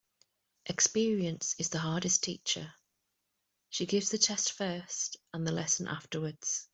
Experience is the hardest teacher. She gives the test first and the lesson afterwards.